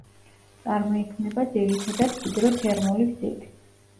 წარმოიქმნება ძირითადად ჰიდროთერმული გზით.